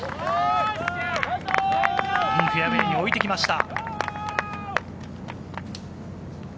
フェアウエーに置いてきました。